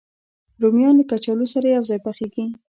رومیان له کچالو سره یو ځای پخېږي